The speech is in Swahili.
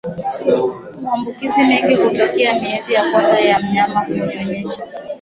Maambukizi mengi hutokea miezi ya kwanza ya mnyama kunyonyesha